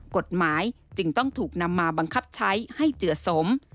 กฎหมายจึงต้องถูกนำมาบังคับใช้ให้เจือสม